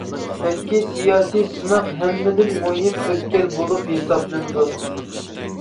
بەلكى سىياسىي سىناق ھەممىدىن مۇھىم ئۆتكەل بولۇپ ھېسابلىنىدۇ.